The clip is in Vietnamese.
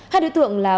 hai đối tượng là